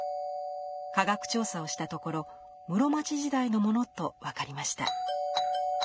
科学調査をしたところ室町時代のものと分かりました。